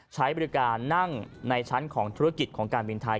ใช้บริการนั่งในชั้นของธุรกิจของการบินไทย